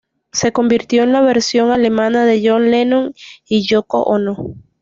Se convirtieron en la versión alemana de John Lennon y Yoko Ono.